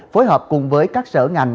phối hợp cùng với các sở ngành